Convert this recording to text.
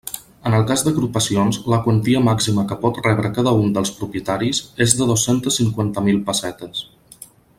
En el cas d'agrupacions, la quantia màxima que pot rebre cada un dels propietaris és de dos-centes cinquanta mil pessetes.